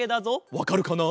わかるかな？